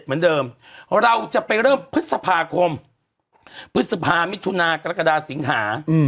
เหมือนเดิมเราจะไปเริ่มพฤษภาคมพฤษภามิถุนากรกฎาสิงหา